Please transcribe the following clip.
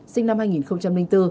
sinh năm hai nghìn bốn